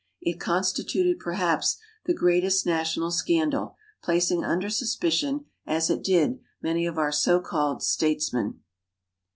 It constituted, perhaps, the greatest national scandal, placing under suspicion, as it did, many of our so called statesmen.